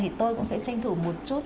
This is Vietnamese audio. thì tôi cũng sẽ tranh thủ một chút